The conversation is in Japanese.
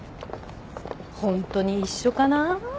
ホントに一緒かな？